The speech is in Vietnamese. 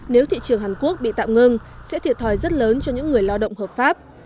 nếu thị trường hàn quốc bị tạm ngưng sẽ thiệt thòi rất lớn cho những người lao động hợp pháp